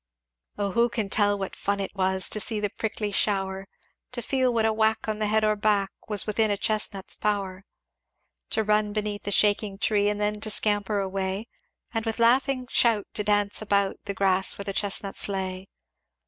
"O who can tell what fun it was To see the prickly shower! To feel what a whack on head or back. Was within a chestnut's power! "To run beneath the shaking tree, And then to scamper away; And with laughing shout to dance about The grass where the chestnuts lay.